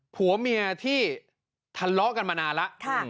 ผัวเมียที่ทะเลาะกันมานานแล้ว